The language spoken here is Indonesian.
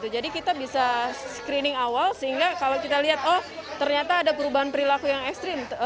jadi kita bisa screening awal sehingga kalau kita lihat oh ternyata ada perubahan perilaku yang ekstrim